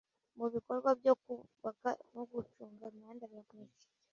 mu bikorwa byo kubaka no gucunga imihanda birakomeje